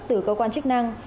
từ cơ quan chức năng